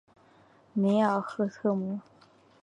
梅尔赫特姆。